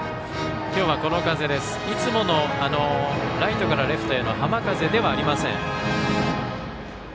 今日はいつものライトからレフトへの浜風ではありません。